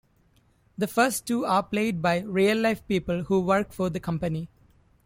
The first two are played by real-life people who work for the company.